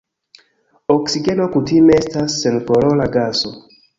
Oksigeno kutime estas senkolora gaso.